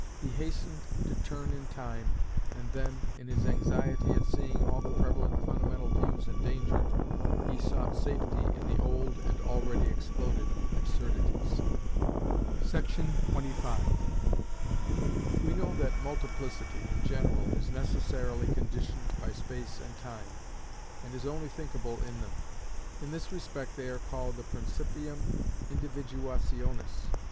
He hastened to turn in time, and then, in his anxiety at seeing all the prevalent fundamental views endangered, he sought safety in the old and already exploded absurdities. We know that multiplicity in general is necessarily conditioned by space and time, and is only thinkable in them. In this respect they are called the principium individuationis.